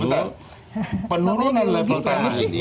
bentar penurunan lapis tanah ini